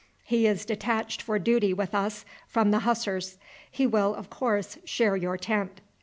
He is detached for duty with us from the Hussars. He will, of course, share your tent."